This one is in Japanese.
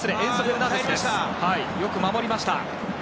よく守りました。